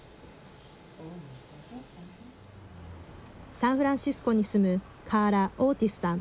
サンフランシスコに住むカーラ・オーティスさん。